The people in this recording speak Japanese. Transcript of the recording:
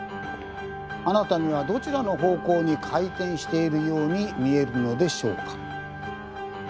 あなたにはどちらの方向に回転しているように見えるのでしょうか？